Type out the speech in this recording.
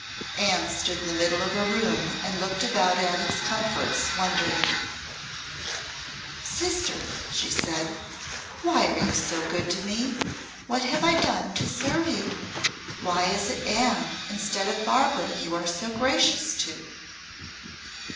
Anne stood in the middle of her room and looked about at its comforts, wondering. "Sister," she said, "why are you so good to me? What have I done to serve you? Why is it Anne instead of Barbara you are so gracious to?"